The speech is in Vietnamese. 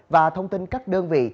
và thông tin các đơn vị